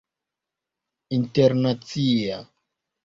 internacia